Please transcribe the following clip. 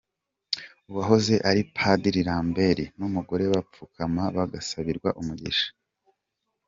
Uwahoze ari Padiri Lambert n'umugore bapfukama bagasabirwa umugisha.